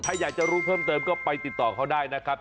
ถ้าอยากจะรู้เพิ่มเติมก็ไปติดต่อเขาได้นะครับ